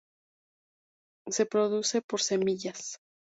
Se reproduce por semillas.